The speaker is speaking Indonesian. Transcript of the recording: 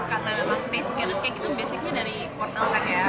karena memang taste carrot cake itu basicnya dari wortel kan ya